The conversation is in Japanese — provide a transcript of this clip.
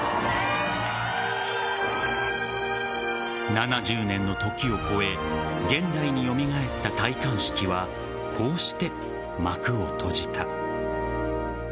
７０年の時を越え現代に蘇った戴冠式はこうして幕を閉じた。